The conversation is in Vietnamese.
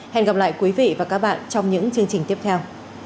hẹn gặp lại quý vị và các bạn trong những chương trình tiếp theo